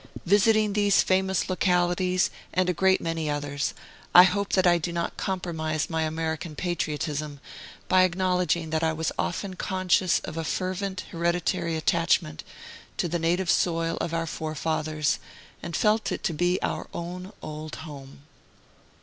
Visiting these famous localities, and a great many others, I hope that I do not compromise my American patriotism by acknowledging that I was often conscious of a fervent hereditary attachment to the native soil of our forefathers, and felt it to be our own Old Home.